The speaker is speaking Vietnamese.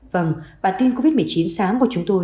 vâng bản tin covid một mươi chín sáng của chúng tôi